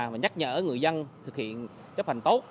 và nhắc nhở người dân thực hiện chấp hành tốt